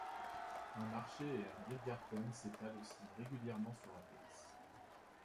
Un marché et un biergarten s'étalent aussi régulièrement sur la place.